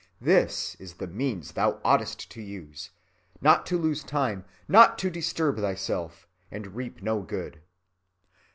This is the means thou oughtest to use—not to lose time, not to disturb thyself, and reap no good."